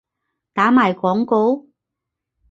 打埋廣告？